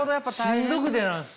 しんどくてなんですか。